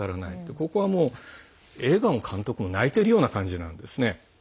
ここはもう映画も監督も泣いているような感じなんですね。